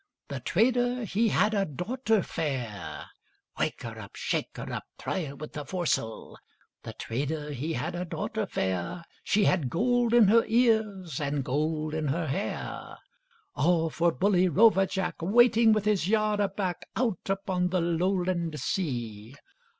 The trader he had a daughter fair— Wake her up! Shake her up! Try her with the foresail The trader he had a daughter fair, She had gold in her ears, and gold in her hair: All for bully rover Jack, Waiting with his yard aback, Out upon the Lowland sea!